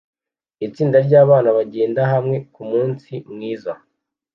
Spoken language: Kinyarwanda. Itsinda ryabana bagenda hamwe kumunsi mwiza